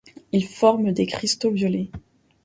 Il forme des cristaux violets.